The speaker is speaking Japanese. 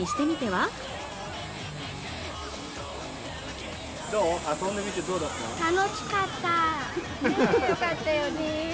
ねえよかったよね！